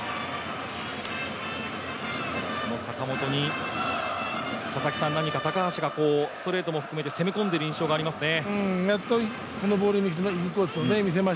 その坂本に高橋が何かストレートも含めて、攻め込んでいる印象がありますね。